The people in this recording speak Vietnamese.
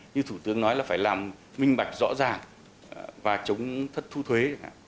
như thủ tướng nói là phải làm minh bạch rõ ràng và chống thất thu thuế